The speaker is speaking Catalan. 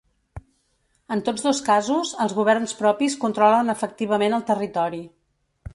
En tots dos casos, els governs propis controlen efectivament el territori.